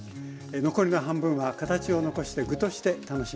残りの半分は形を残して具として楽しみます。